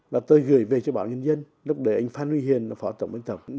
và tôi gửi về cho bảo nhân dân lúc đấy anh phan huy huyền là phó tổng bến tổng